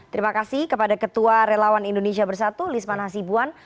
terima kasih kepada ketua relawan indonesia bersatu lisman hasibuan